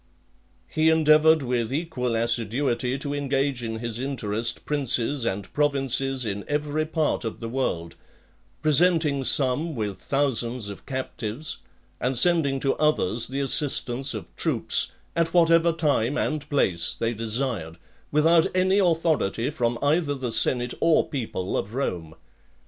XXVIII. He endeavoured with equal assiduity to engage in his interest princes and provinces in every part of the world; presenting some with thousands of captives, and sending to others the assistance of troops, at whatever time and place they desired, without any authority from either the senate or people of Rome.